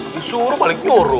disuruh balik turun